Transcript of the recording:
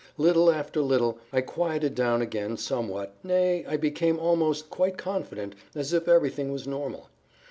Little after little I quieted down again somewhat, nay, I became almost quite confident as if everything was normal.